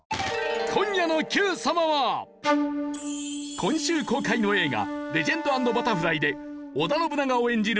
今週公開の映画『レジェンド＆バタフライ』で織田信長を演じる